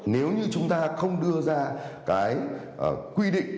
nếu như chúng ta không đưa ra cái quy định